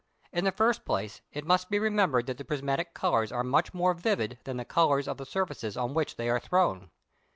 In the first place it must be remembered that the prismatic colours are much more vivid than the colours of the surface on which they are thrown.